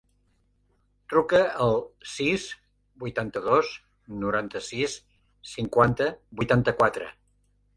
Truca al sis, vuitanta-dos, noranta-sis, cinquanta, vuitanta-quatre.